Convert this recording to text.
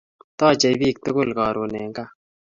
Taachei bik tugul karun en kaa